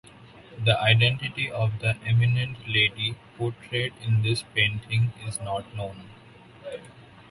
The identity of the eminent lady portrayed in this painting is not known.